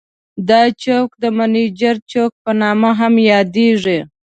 دا چوک د منجر چوک په نوم هم یادیږي.